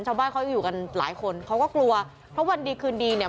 ชาวบ้านเขาอยู่กันหลายคนเขาก็กลัวเพราะวันดีคืนดีเนี่ย